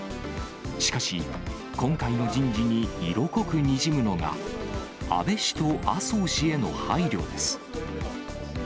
しかし、今回の人事に色濃くにじむのが、安倍氏と麻生氏への配慮です。